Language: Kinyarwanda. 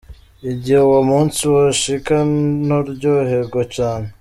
"Igihe uwo munsi woshika noryohegwa cane.